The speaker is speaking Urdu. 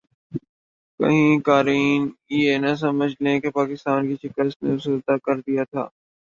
کہیں قارئین یہ نہ سمجھ لیں کہ پاکستان کی شکست نے افسردہ کردیا تھا